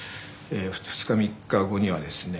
２日３日後にはですね。